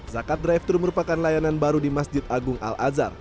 zakat drive thru merupakan layanan baru di masjid agung al azhar